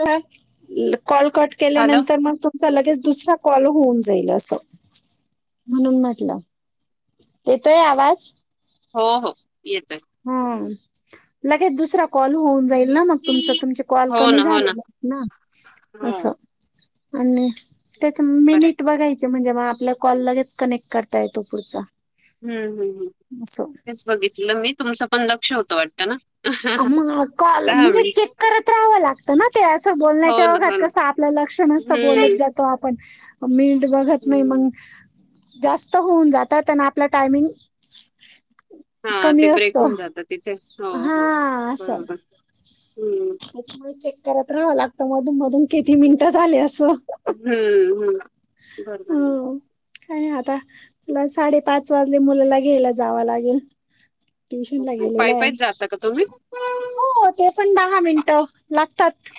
का call cut hello केल्यानंतर मग त तुम लगेच दुसरा कॉल होऊन जाईल असं म्हणून म्हटलं येतोय आवाज हो हो येत आहे हा लगेच दुसरा कॉल होऊन ल मग तुम तुम कॉल हो कमी ना हो झाले ना हो अस आणि त्यात बरं आहे. मिनिट बघायचं म्हणजे मग आपल्या कॉल लगेच कनेक्ट करता येतो पुढचा हम् हम् असं हेच बघितलं मी तुमचं पण लक्ष होत वाटतं ना मग कॉल मिनिट चेक करत राहावं लागतं ना ते असं हो बोलण्याच्या ना अघात हो ना कसं आपलं लक्ष नसतं बोलत हम्म जातो आपण मिीट बघत नाही हम्म मग जास्त होऊन जातात त्यांना आपला टायमिंग हा कमी ते ब्रेक असतो होऊन जातं तिथे हो हा हो असं बरोबर हम्म म चेक करत राहावं लागत मधून मधून किती मिनिटं झाले असं हम्म हम्म बरोबर आणि आता तुला साडेपाच वाजले मुलाला घ्यायला जावं लागेल ट्युशन ला गेलेला पाय आहे पायच जाता का तुम्ही हो ते पण दहा मिनट लागतात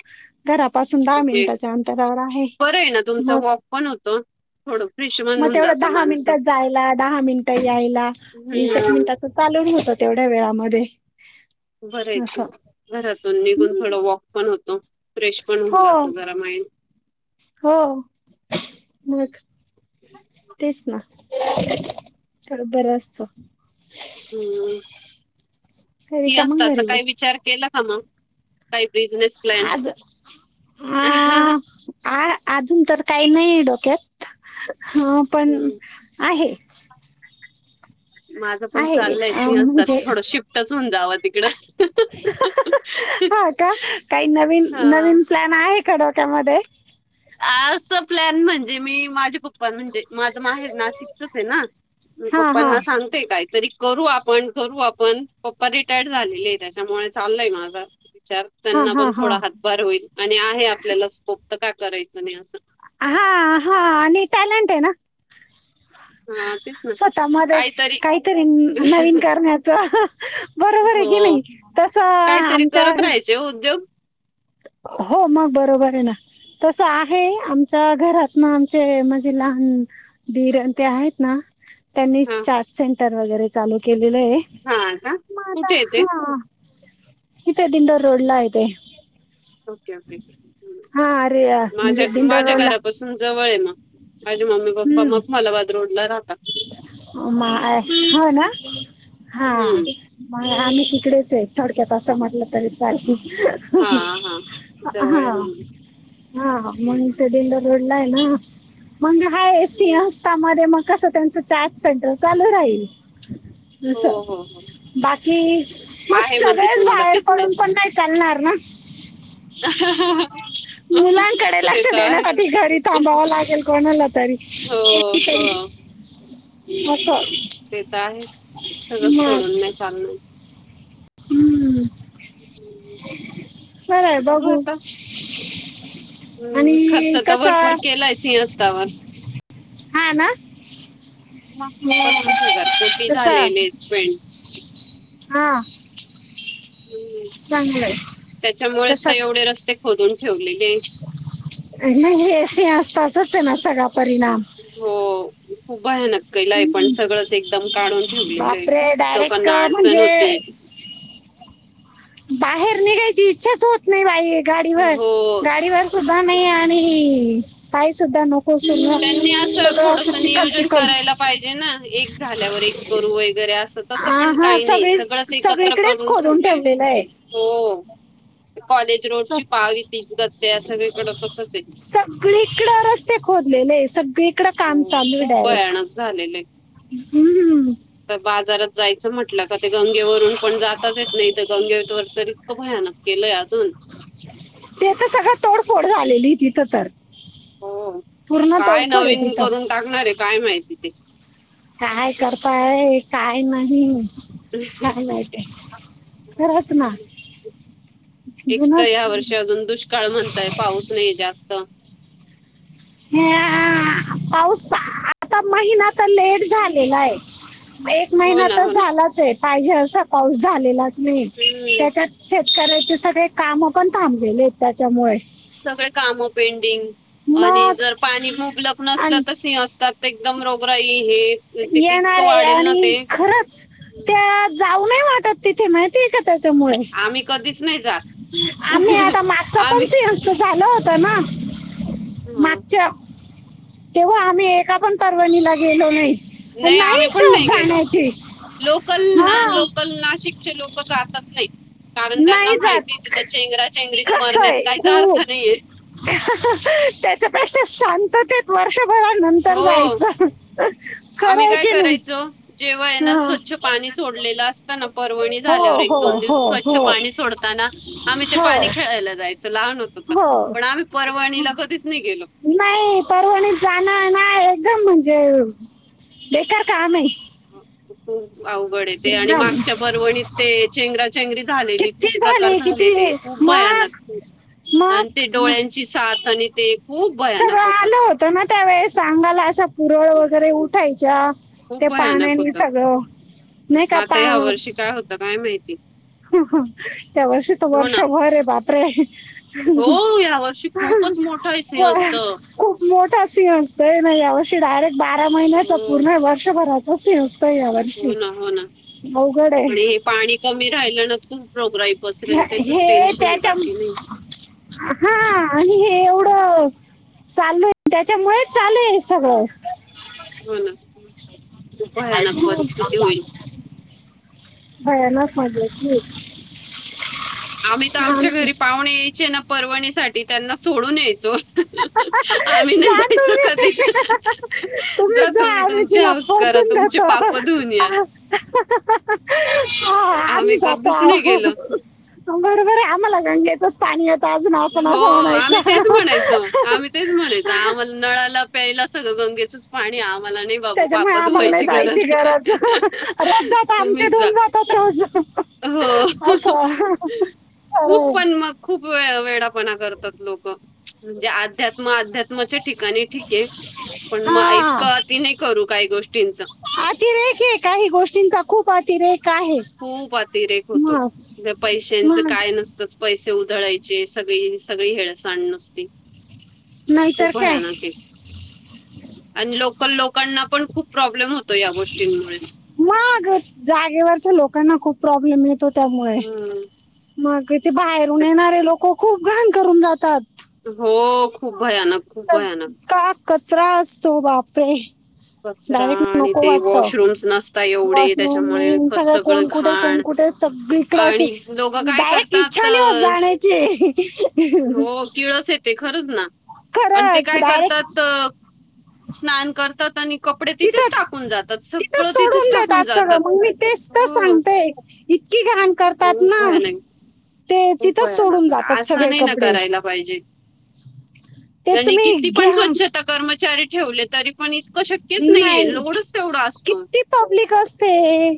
घरापासून दहा ओके मिनिटाच्या अंतरावर आहे मग कोण होतो थोडं फ्रेश मन मग होऊन तेवढं जातं दहा माणसं मिनिटात जायला दहा मिनिटं यायला वीस हम्म मिनटात चालूून होत तेवढ्या वेळामध्ये बरेयच असं घरातून निघून हम्म थोडं वॉक पण होतो फ्रेश पण होऊन जात हो जरा माइंड हो मग तेच ना तर बरं असत हम्म तरी का मग सिहस्ताचा घरी काही विचार केला का मग काप रिज [unintelligible] आज हा आ अजून तर काही नाही डोक्यात पण हम्म, आहे माझं पण आहे चाललंय अ सि असतात म्हणजे थोडं शिफ्टच होऊन जावं तिकडं हा का काही नवीन नवीन प्लॅन आहे का डोक्यामध्ये आज प्लॅन म्हणजे मी माझे पप्पा म्हणजे माझं माहेर नाशिकचच आहे ना म हा हा पप्पांना सांग काही तरी करू आपण करू आपण पप्पा रिटायर झालेली आहे त्याच्यामुळे चाललय माझं विचार हा त्यांना हा पण हा थोडा हातभार होईल आणि आहे आपल्याला स्कोप तर का करायचं नाही असं हा हा आणि टॅलेंट आहे ना हा तेच ना स्वतः मध्ये काहीतरी नवीन करण्याच हो कायतरी आमच्या करत राहायचे उद्योग हो मग बरोबर आहे ना तस आहे आमच्या घरात ना आमचे म्हणजे लहान धीरण ते आहेत ना त्यांनी हा चॅट सेंटर वगैरे चालू केलेले आहे हा का मग आता कुठे येते ह इथे दिडर रोडलाये ओके ओके हा अरे माझ्या म्हणजे दिंडोर माझ्या रोडला घरापासू जवळ ये मग माझी मम्मी पप्पा हम्म मखमलाबाद रोड ला राह मा हो ना हा [unintelligible] हम्म म आम्ही तिकडेच आहे थोडक्यात असं म्हटलं तरी चाल हा हा जवळ आहे हा म्हणजे हा मग हम्म. ते दिंडोरी रोडला आहे ना मग हाय हम्म. सिंहस्तामध्ये मग कसं त्यांचं चॅट सेंटर चालू राहील हो अस हो हो बाकी मग आहे म्हणजे सगळेच तुम्हाला बाहेर पडून बिझनेस. पण नाही चालणार ना मुलांकडे ते लक्ष तर आहे. देण्यासाठी घरी थांबावं लागेल कोणाला तरी हो हो असं ते तर आहे सगळं मग सोडून नाही चालणार हम्म खरय बघू हम्म खर्च आणि तर भरपूर कसं केलाय सिंहस्थावर हा ना हं. पस्तीस हजार कोटी तसं झालेले स्पेंड हा चांगलं आहे त्याच्यामुळेच तर तसं एवढे रस्ते खोदून ठेवलेले नाही सिंहस्थाचाच आहे ना सगळा परिणाम हो खूप आहे ना केलाय पण हम्म. सगळंच एकदम काढून ठेवलेलं आहे बापरे खूप डायरेक्ट लोकांना अडचण म्हणजे होती बाहेर निघायची इच्छाच होत नाही बाई गाडीवर हो. गाडीवर सुद्धा नाही आणि पायी सुद्धा नको [unintelligible] त्यांनी सगळं असं थोडंसं चिखल नियोजन चिखल करायला पाहिजे ना एक झाल्यावर एक करू वगैरे अस तसं पण हा काही नाही सगळीच सगळंच एकत्र सगळीकडेच करून खोदून ठेवलंय ठेवलेलं आहे हो. कॉलेज स- रोडची पाहवी तीच गत ये सगळीकडं तसच आहे सगळीकड रस्ते खोदलेले आहे सगळीकडं हो काम चालू आहे खूप डायरेक्ट भयानक झालेलं आहे. हम्म हम तर बाजारात जायचं म्हटलं का ते गंगेवरून पण जातच ये नाही तर गंगेवर तर इतकं भयानक केलंय अजून ते तर सगळं तोडफोड झालेली तिथं तर पूर्ण तोडफोड आहे तिथं टाकणारे काय माहिती ते काय करताय काय नाही काय माहित आहे खरच ना एक तर ह्या जुनच वर्षी अजून दुष्काळ म्हणताय पाऊस नाही जास्त ह्यांआ पाऊस आता महिना तर लेट झालेला आहे एक महिना ना तर हो ना. झालाच आहे पाहिजे असा पाऊस झालेलाच नाही हम्म त्याच्यात शेतकऱ्याचे सगळे काम पण थांबलेले आहेत त्याच्यामुळे सगळे काम पेंडिंग आणि मग जर पाणी मुबलक नसलं आणि तर सिंहस्थात एकदम रोगराई हे ते इतकं येणारे वाढेल ना आणि ते खरंच त्या जाऊ नये वाटत तिथे माहिती आहे का त्याच्यामुळे आम्ही कधीच नाही जात आम्ही आता मागचा पण आम्ही सिंह स्थ झालं होत ना ह मागच्या तेव्हा आम्ही एका पण परवणीला गेलो नाही नाही आम्ही इच्छा पण होत नाही गेलो जाण्याची लोकल ना लोक हा लोकल नाशिकचे लोक जातच नाही कारण त्यांना नाही माहिती जात तिथं चेंगरा चेंगरीत कसं मरण्यात आहे काहीच अर्थ खूप नाहीये त्याच्यापेक्षा शांततेत वर्षभरा नंतर हो जायचं अ आम्ही काय करायचो. जेव्हा आहे ना, हा. स्वच्छ पाणी सोडलेलं असतं ना, पर्वणी हो झाल्यावर हो एक-दोन हो दिवस स्वच्छ हो पाणी सोडताना. आम्ही ते हो पाणी खेळायला जायचो, लहान होत हो पण आम्ही परवाणीला कधीच नाही गेलो. नाही परवणीत जाणं ना, एकदम म्हणजे बेकार काम आहे. ह. अवघडये ते, आणि एकदम मागच्या पर्वणीत ते चेंगरा-चेंगरी झालेली खूप किती प्रकार झाले किती झालेले. खूप भयानक मग, मग म. ची साथ आणि ते. खूप सगळं भयानक आलं होतं ना, त्यावेळे अंगाला अशा पुरळ हो, वगैरे उठायच्या. खूप ते भयानक पाण्यानी होतं सगळं नाही का पा ह्या वर्षी काय होतं आता काय माहिती. त्या वर्षी त हो ना वर्षभरे बाप रे. हो या वर्षी खूपच मोठा हो. सिंह असतं खूप मोठा सीन असतोय ना यावर्षी डायरेक्ट बारा महिन्याचा हो पूर्ण वर्षभरात. चा सीन असतो हो यावर्षी, ना हो ना अवघड आहे. पण हे पाणी कमी राहिलं ना खूप रोगराई पसरेल ह्या- त्याचचं हे टेन्शन आहे, त्याच्या बाकी नाही. हा, आणि हे एवढं चालू आहे, त्याच्यामुळेच चालूए हे सगळं. हो ना, खुप भयानक परिस्थिती होईल. भयानक [unintelligible] आम्ही तर आमच्या घरी पाहुणे यायचे ना परवणीसाठी त्यांना सोडून यायचो. आम्ही नाही जा जायचो तुम्ही, कधीच तुम्ही जा आम्ही तुमची तिला हौस करा पोहचून [unintelligible] तुमचे पाप धुवून या [unintelligible] हा, आम्ही जातो कधीच आ नाही गेलो बरोबर आहे आम्हाला गंगेचच पाणी येतं अजून आपण हो, असं आम्ही म्हणायचं. तेच म्हणायचो. आम्ही तेच म्हणायचं, आम्हाला नळाला प्यायला सगळं गंगेचंच पाणी आम्हाला नाही बाबा त्याच्यामुळे पापं आम्हाला नाही धुवायची जायची गरज, रोज जाता आमचे तुम्हीच जा. धुऊन जातात रोज. हो. असं, खूप खरंय. पण मग खूप वे वेडापणा करतात लोकं. म्हणजे अध्यात्म अध्यात्माच्या ठिकाणी ठीक आहे. पण मग हा [unintelligible] ती नाही करू काही गोष्टींचं. अतिरेक हे काही गोष्टींचा खूप अतिरेक आहे खूप अतिरेक होतो, मग म ह्या पैशांचं मग काय नसतंच. पैसे उधळायचे सगळी सगळी हेळ सांड नुसती. नाहीतर खूप काय भयानक आहे, आणि लोकल लोकांना पण खूप प्रॉब्लेम होतो या गोष्टींमुळे. मग जागेवरच्या लोकांना खूप प्रॉब्लेम येतो. त्यामुळे हम्म. मग इ तेे बाहेरून येणारे लोक, खूप घाण करून जातात. हो. खूप भयानक. खूप भयानक सगळा कचरा असतो बापरे. कचरा डायरेक्ट आणि नको ते वाटत, वॉशरूम्स नसता एवढे वॉशरूम त्याच्यामुळे मेन, क- सगळं कोण, कुठे कोण. घाण कुठे सगळीकडे अशी आणि लोक काय डायरेक्ट इच्छा करतात नाही होत अ, जाण्याची. टिळस येते खरंच ना, आणि ते खरंच काय डायरेक्ट करतात स्नान कर तात आणि. कपडे तिथेच टाकून जातात तिथंच-तिथंच सगळं तिथेच सोडून देतात, टाकून आज सगंळ जातात मग मी तेच तर हो सांगतेय. इतकी घाण करतात ना. ते तिथंच उपाया ना, सोडून जातात असा सगळे नाही ना कपडे करायला पाहिजे. ते त्यांने तुम्ही किती पण घ्या स्वच्छ आता कर्मचारी ठेवले, तरी पण इतकं शक्यच नाहीये, नाही लोडच तेवढा असतो. किती पब्लिक असते,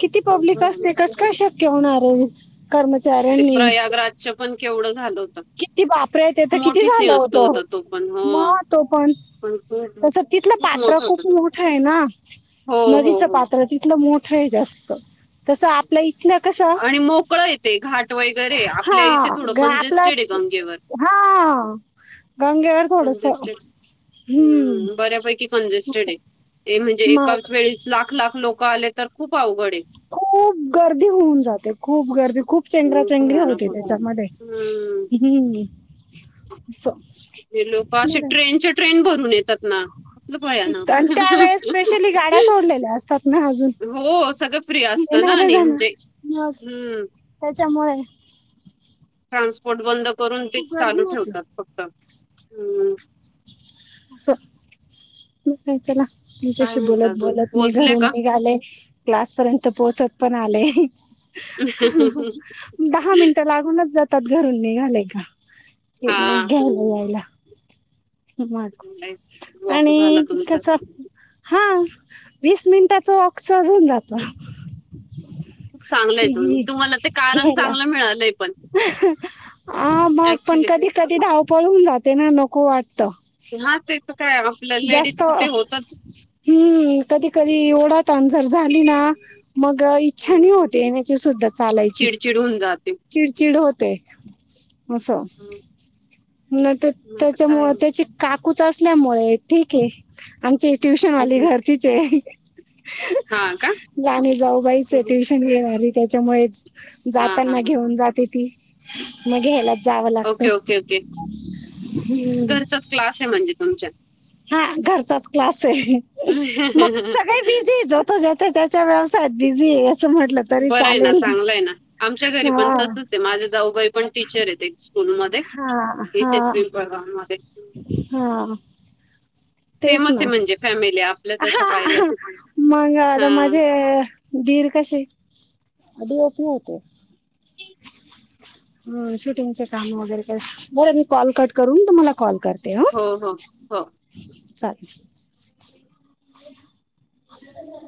किती पब्लिक असते, कस काय शक्य होणारे. कर्मचारी. ते प्रयागराज्य पण केवढं झालं होतं. किती बापरे ते त किती मोठी झालं होत, सिंहस्त होता तो पण हो म तो पण. खूप तसं तिथलं खूप पात्र मोठं होतं खूप ते. मोठंय ना. हो हो नदीचं हो पात्र तीथलं मोठं जास्त, तस आपल्या इथल्या आणि मोकळयते, घाट वगैरेय, आपल्या इथे हा थोडं ग- कंजेस्ट हा गंगेवर थोडस कंजेस्टेड हम्म. बऱ्यापैकी अस. कंजेस्टेड आहे ते म्हणजे, एका वेळीच लाख लाख लोक आले, तर खूप अवघडे. खूप गर्दी होऊन जाते, खूप गर्दी, खूप. चेंंगराचेंगरी भयानक होते, होतं त्याच्यामध्ये हम्म हम्म अस. लोक असे ट्रेनच्या ट्रेन भरून येतात. ना असलं भयानक त्यावेळेस स्पेशली गाड्या सोडलेल्या असतात ना. अजून, हो सगळं फ्री असतं ना येणारे आणि जाना म्हणजे मग, हम्म त्याच्यामुळे ट्रान्सपोर्ट बंद करून, खूप तेच गर्दी चालू होती ठेवतात फक्त. हम्म. अस. य त्याला काय तुच्याशी म्हणता बोलत अजून बोलत मी पोहोचले घरून का निघाले, क्लास पर्यंत पोहोचत पण आले. दहा मिनटं लागूनच जातात, घरून निघाले का. ते हा म घ्यायला यायला. मग वॉक झाला आणि तुमचा कस हा, वीस मिनिटाच वॉक सहज होउन जातो. खूप चांगलंय, तुही तुम्हाला ते कारण चांगलं मिळालंय पण. हा मग, पण ऍक्च्युली कधी कधी धावपळ होउन जाते ना, नको वाटत. हा ते. काय आपल्या जास्त लेडीज ते होतच हम्म कधी कधी ओढातान जर झाली ना. मग इच्छा नाही होत, येण्याची सुद्धा, चालायची. चिडून जाते. चिडचिड होते. अस, हम्म, नाही त आता काय त्याच्यामुळे त्याची काकूच असल्यामुळे ठीके, आमची ट्युशन वाली हम्म. घरचीचे. हां का? लहाणी जाऊ बाईचे हं. ट्युशन घेनारी, त्याच्यामुळे हां, हां, जाताना हां. घेऊन जाते ती. मग घ्यायलाच जावं लागत, ओके, ओके, ओके. हम्म. क्लासे म्हणजे तुमच्या हा, घरचाच क्लासे मग सगळे बिझीये, जो तो, ज्याच्या त्याच्या, व्यवसायात बिझीये, अस म्हणट बरंय ना, चांगलंय ना, आमच्या घरी पण हा तसचे, माझे जाऊबाई पण टीचरेत स्कूलमध्ये, हा हा येथेच पिंपळगाव मध्ये. हा. तेच सेमच ना, आहे म्हणजे फॅमिली आपल्या तशा हा पाहिल्या तर. मग आता हां. माझे दीर कसे डीओपी होते. शूटिंगचे काम वगैरे कर, बरं मी कॉल कट करून, तुम्हाला कॉल करते अ. हो हो. हो. चालेल. ह [inaudible]